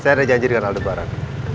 saya udah janji dengan aldebaran